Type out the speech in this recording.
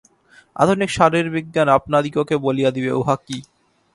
আধুনিক শারীরবিজ্ঞান আপনাদিগকে বলিয়া দিবে, উহা কি।